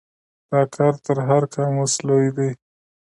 دا کار تر هر قاموس لوی دی.